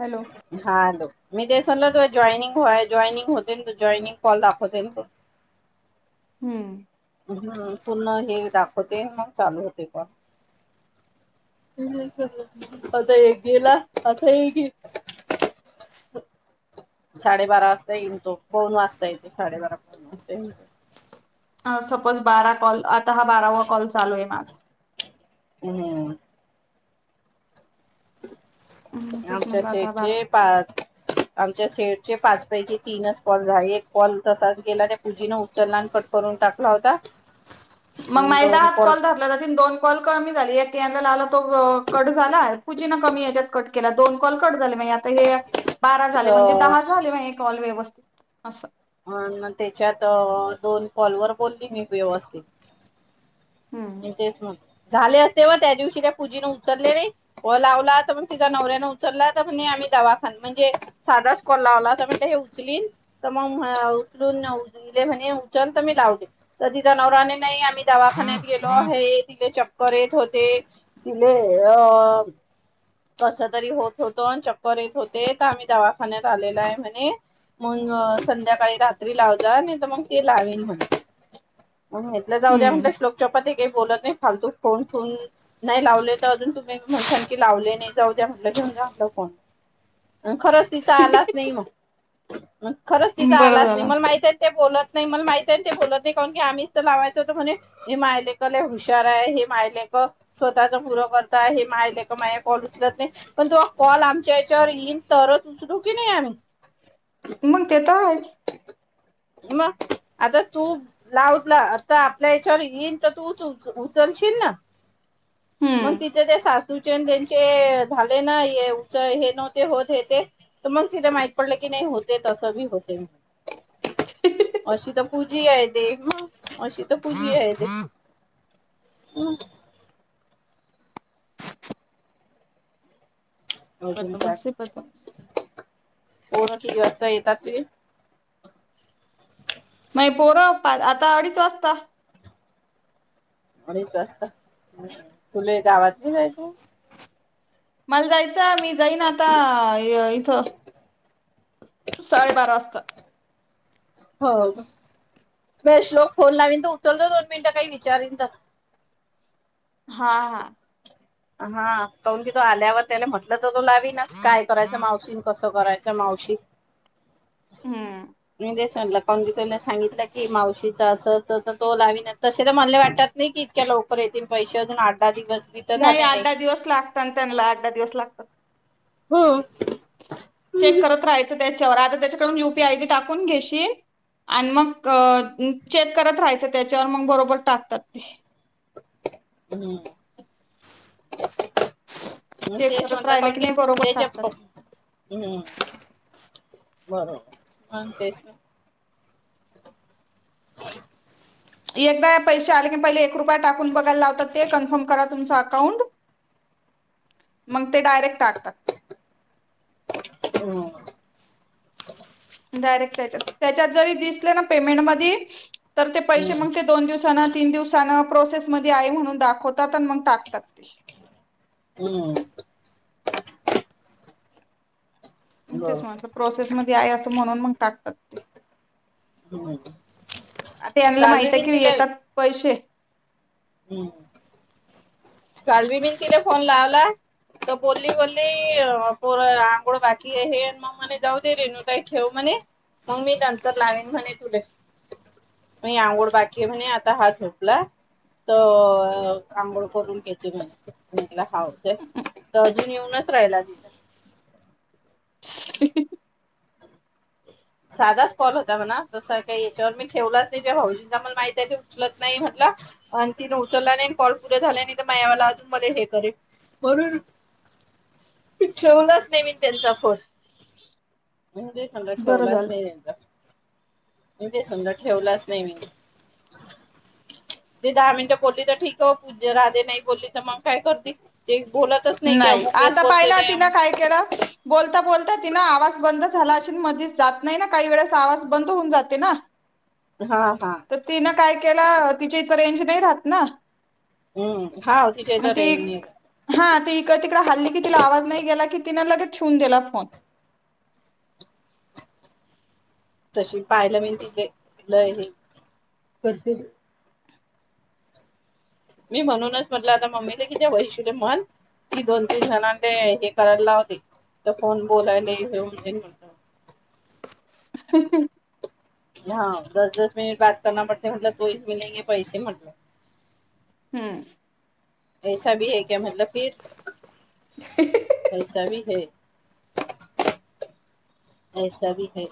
Hello joining हॉय joining होते न तो जॉइनिंग कॉल दाखवते न तो. हम्म हम्म पूर्ण हे दाखवते मग चालू होते काम. [unintelligible] आता एक गेला आता हे एक साडेबारा वाजता येईन तो. फोन वाजतय ते साडेबारा [unintelligible] अ सपोज बारा कॉल. आता हा बारावा कॉल चालू आहे माझा. हम्म. तेच आमच्या म्हटलं आता हा शेठचे बारावा कॉल चालू. पाच आमच्या शेटचे पाचपैकी तीनच कॉल झाल. एक कॉल तसाच गेला. त्या पूजीन उचलला आन कट करून टाकला होता मग एकदा हाच कॉल धारला. त्यातून दोन कॉल कमी झालेत. मी आता लावला तो कट झाला. पूजीन कमी याच्यात कट केला. दोन कॉल कट झाले मग ह्यात. हे बारा झाले म्हणजे तर दहा झाले माझे कॉल व्यवस्थित. असं अ त्याच्यात दोन. कॉलवर बोलली मी वेवस्तीत. हम्म आणि तेच मण. झाले असते. वो त्या दिवशी त्या पूजीने उचलले नाही. कॉल लावला. तर मग तिचा नवऱ्याने उचलला. तर म्हणे आम्ही दवाखान म्हणजे साधाच कल लावला. तर म्हणले हे उचलीन तर मग उचलून उले म्हणे उचल तर मी लावले तर तिचा नवऱ्याने नाही आम् आम्ही दवाखान्यात. गेलो आहे तिथे चक्कर येत होते. [unintelligible] तिले अं कसं तरी होत होतं आणि चक्कर येत होते तर आम्ही दवाखान्यात आलेलं आहे म्हणे मग संध्याकाळी रात्री लावला आणि तर मग ते लावेन म्हणे. मंग हितंलं जाऊ द्या म्हणलं हम्म श्लोक [unintelligible] काही बोलत नाही फालतू फोन पण नाही लावले तर अजून तुम्ही म्हणसान की लावले नाही जाऊ द्या म्हटलं की [unintelligible] खरंच तिचा आलाच नाही मग. [inaudible] खरंच तिचां बरं आलाच नाही झालं मला माहित आहे ते बोलत नाही मला माहिती आहे ते बोलत नाही, कारण की आम्हीच तर लावायचं होतं म्हणे हे मायलेक लय हुशार आहे हे मायलेक स्वतःचा [unintelligible] करता आहे हे मायलेक माझा कॉल उचलत नाही. पण तुझा कॉल आमच्या याच्यावर येईल तरच उचलू की नाही आम्ही? मग तेे तर आहेच. मग आता तू लावतला आता आपल्या याच्यावर येईन तर तू उच उचलशील ना? मग हम्म तिचे ते सासूचे त्यांचे झाले ना हे उच हे नव्हते होत हे ते तर मग तिले माहित पडलं की नाही होतंय तसं बी होतंय म्हणून. अशी तर पूजी आहे ते [unintelligible] आहे ते [inaudible] [unintelligible] अजून काय बदमास आहे बदमास. पोरं किती वाजता येतात ती? नाही पोरं आता अडीच वाजता अडीच वाजता तुला गावातली जायच मला जायचंमी जाई ना आता इथं साडेबारा वाजताात हो बे लोक फोन लावीन तर उतरवलं दोन मिनिटं काही विचारन तर हा हा हा करून कि तो आल्यावर त्याने म्हटलं तू ला नास काय करायच मावशीन कस करायच्या मावशी हम्म. मी देस लकान ब तने सांगितलं की मावशीचा असं असं तर तो लावीन तसे तर म्हणले वाटत नाही की इतक्या लवकर येतील पैसे अजून आठ दा दिवस बी तर नाही झाले आठ दहा दिवस लागत त्यांला आठ दहा दिवस लागतात हो चेक करत राहायचं त्या च्या वर आता त्याच युपीआ आय डी टाकून घेय आणि मग अ चेक करत राहायचं त्याच्यावर मग बरोबर टाकतात ते हम मग चेक तेच करत म्हटलं राहिले कारण की नाही बरोबर त्याच्या टाकतात. हम्म बरोबरग तेच एकदा पैसे आले की पहिले एक रुपया टाकून बघ लाव ते कन्फर्म करा तुमचा कौन मग ते डायरेक्ट टाकतात हम डायरेक्ट त्याच्यात त्याच्यात जरी दिसले ना पेमेंट मधी तर ते पैसे हम्म मग ते दोन दिवसांना तीन दिवसान प्रोसेसमध्ये आ म्हणून दाखवतात आणि मग टाकतात ते हम् तेच बरोबर. म्हट प्रोसेसमध्येध्ये आहे अस म्हणून मग टाकतात ते हम्म आता याला काल माहित बी आहे बिन कि तिले येतात पैसे हम्म कालवी मी तिला फोन लावला तर बोलली बोलली पोर आंघोळ बाकी हे मग म्हणे जाऊ दे रेणू काही ठेव म्हणे मग मी नंतर लावेन म्हणे तुले मी आंघोळ बाकी आहे म्हणे आता हा झोपला तर आंघोळ करून म्हला हवडतय तर अजून येऊनच राहिला साधाच कॉल होता म्हणा तस काही याच्यावर मी ठेवलाच नाही जज मला माहिती आहे ते उचलत नाही म्हटलं आणि तिने उचलला नाही कॉल पुरे झाल्या आणि मावाला अजून म हे करेल बरोर ठेवलाच नाही मी त्यांचा फोन बरं ठेवलाच झालं. नाही म ते समजा ठेवलंच नाही मी. ते दहा मिनट बोलली तर ठीक आहे पू राधे नाही बोलली तर मग काय करती? - नाही. आता पाहिल ना तिन काय केलं? बोलता बोलता- त तीनआवाज बंद झाला असेल, मधीच जात नाही ना काही वेळेस आवाज बंद होऊन जाते ना? हा हा. तर तिनं काय केल तिच्या ईथ रेंज नाही राहत ना- हम्म. हाव तिच्या मग इथे ती रेंज नाई हा रहात. ती इकड हल्ली की तिला आवाज नाही गेला की, तीन लगेच ठेवून दिला फोन. तशी [unintelligible] मी म्हणूनच म्हटलं आता मम्मीला, कि त्या वैशूला म्हण की दोन तीन जणां ते हे करायला लावते तर फोन बोलायला होऊन म्हटल. ह हा. दस दस मिनिट बाात करना पडता म्हटलं तोही मिलते पैसे म्हटलं- हम्म. ऐसा भी है क्या? म्हटलं फिर? पैसा भी है- ऐसा भी है.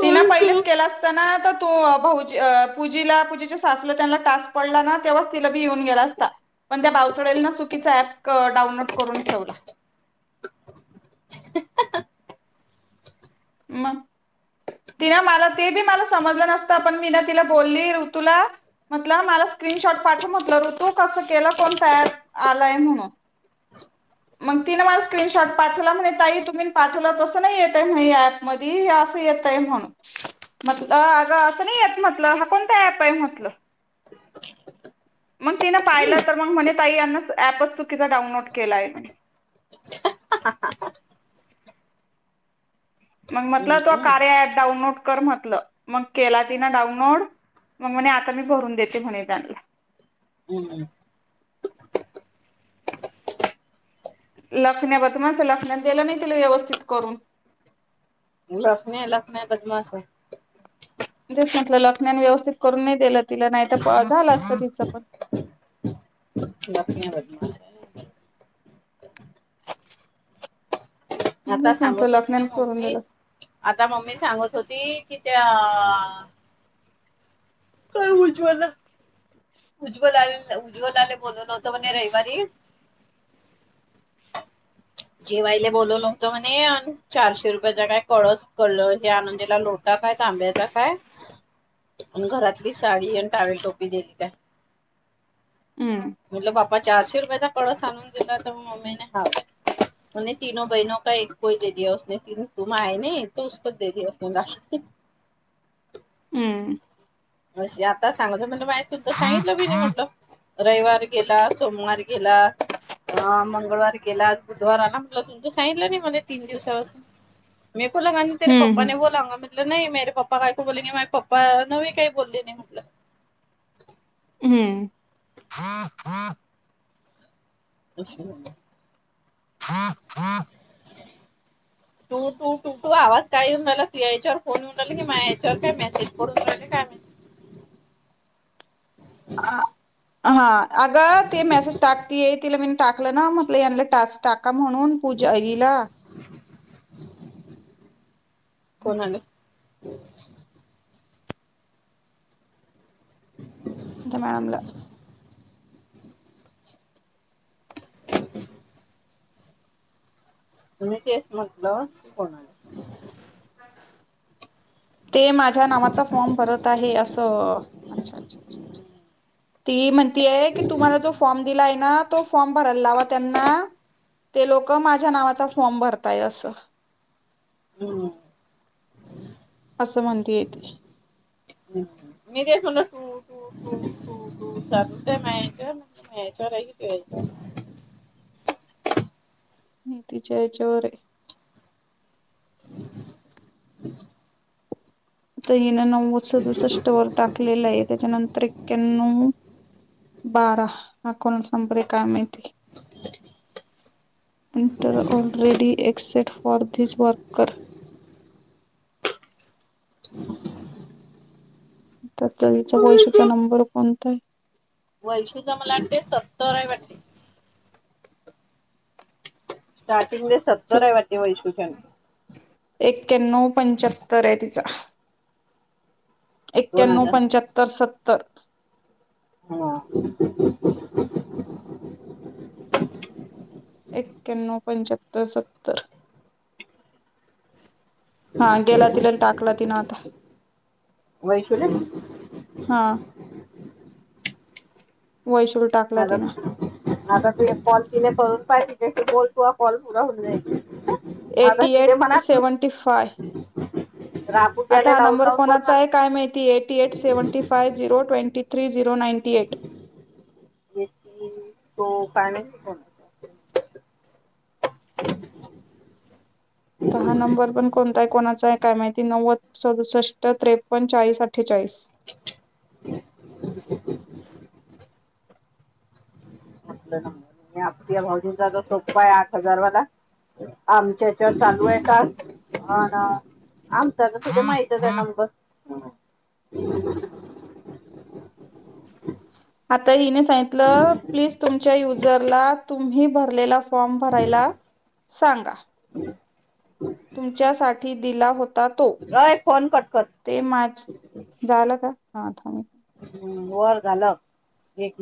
तिन और क्या पहिलेच केलं असताना- तू भाज पूजीला. पूजेच्या सासूला त्यांना टास्क पडला ना तेव्हाच तिला बी येऊन गेला असता. पण त्या बावचडेलनं चुकीचा ऍप डाउनलोड करून ठेवला मग? तिनं मला ते बी मला समजलं नसतं. पण मी ना तिला बोलली ऋतूला. म्हटलं मला स्क्रीनशॉट पाठव म्हटलं. ऋतू कस केलं? कोणत ऍप आलाय? म्हणून, मग तिनं मला स्क्रीनशॉट पाठवला, म्हणे ताई तुम्ही पाठवलं तसं नाही येतय म्ह ह ऍप. मधी असं येत आहे म्हणून. म्हटल अग असं नाही येत म्हटलं. हा कोणता ऍप आहे म्हटलं मग तिन पाहिलं. तर मग म्हणे ताई यांनाच ऍपच चुकीचा डाउनलोड केलाय म्हणे. मग म्हटलं तो हम्म कार्या ऍप डाउनलोड कर म्हटलं. मग केला तिन डाउनलोड. मग म्हणे आता मी भरून देते म्हणे त्यांना. हम्म लखण्या ब मा असं लखनत गेलं नाही तला व्यवस्थित करून. लखने लखन्या बदमाशये. तेच म्हटलं लखण्यान व्यवस्थित करून नाही दिलं तिला. नाही तर झालं असत तिचं पण. [unintelligible] आता तेच म्हटलं सांगत होती ना लखण्याने करून मम्मी. दिलं असतं. आता मम्मी सांगत होती कि त्या- हा उज्जव, उज्ज्वलाने उज्ज्वलाने- बोललो नव्हतो म्हणे रविवारी- जेवायला बोलवलं होतं म्हणे. चारशे रुपयाचा काय कळस कळ हे आणून दिला लोटा काय तांब्या का काय आणि घरातली साडी आणि टावेल टोपी दिली काय. हम्म. मग चारशे रुपयाेचा कळस आणून दिला तर मम्मीने हवा- म तीनो बहिनो का एक कोय दे दने तीन तुम आय न तक दे दने- हम्म. अशी आता सांग [unintelligible] तु सांगितलं बी नाही म्हटलं- रविवार गेला, सोमवार गेला, अ मंगळवार गेला, बुधवार आला म्हटल तुम्ही तर सांगितलं नाही मले तीन दिवसापासून- मेकलागा त तेे हम्म पापपा हम्म न बला लाग म- नाही मेरे पप्पा कायको बोलेंगे मेरे पप्पा [unintelligible] बोलले नाही म्हटलं. हा हा [unintelligible] ह ह तू तू तू तू आवाज काय येऊन राला तू याच्यावर फोन येऊन राहिला कि माझ याच्यावर काय मेसेज पडून राला काय म हा अग ते मेसेज टाकतीय तिला मीन टाकलं ना मटलं टास् टाक का का म्हणून पूजाईला प्रणाली त्या मॅडमला तुम्ही तेच म्हटलं कोण आलं ते माझ्या नावाचा फॉर्म भरत आहे असं अच्छा अच्छाच्छच्छ. ती म्हण आहे की तुम्हाला जो फॉर्म दिला आहे ना! तो फॉर्म भरायल लावा त्यांना ते लोकं माझ्या नावाचा फॉर्म भरताय असं हम् असं म्हणतीये ती मी तेच म्हणला तू तू तू तू तू धूते नायतर माझ्यावर आहेच त्याच्या हेच्या वर आता हिन नव्वद सदुसष्ट वर टाकलेला आहे त्याच्यानंतर ए्याण्णव बारा हा कोणाचा नंबरे काय माहिती enter already exceed for this worker त्या हीचा वैशुचा याच्यावर नंबर कोणताए वैशूचा मला वाटतेय सत्तर हाय वाटत स्टार्टिंगने सत्तर आहे वाटते वैशुचा नं एक्याण्णउ पंच्यात्तर आहे तिचा हा दोन एक्याण्णउ हजार पंच्यात्तर सत्त त्तर हम्मम एक्याण्णउ पंच्यात्तर सत्तर हा गेला तिला टाकला तिनं आता वैशुला हा वैशडु मला आता तू काॅल किल्या करून पाहिजे बोलतुवा काॅल पुरा होऊंदे एटी एट सेव्हन्टी फाय राबू आता घ्यायला हा लावून नंबर लावून बोल कोणाचा म्हणा हाय काय माहिती eighty eight seventy five zero twenty three zero ninety eight याची तो काय माहीत कोण आता हा नंबर पण कोणता आहे कोणाचा आहे काय माहिती नव्वद सदुसष्ट त्रेपन्न चाळीस अठ्ठेचाळीस आपलं नंबर आपल्या भाऊजींचा तर सोपा आहे आठ हजारवाला आमच्या हेच्यावर चालू आहे का? आमचाआ तर तुेले माहितच आहे नंबर [unintelligible] आता हिने सांगितलं. प्लीज तुमच्या युजरला तुम्ही भरलेला फॉर्म भरायला सांगा. तुमच्यासाठी दिला हो अय फोन कट कर. हम्म. हम्म वर घालव एक मि